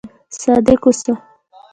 صادق اوسئ